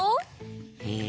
え？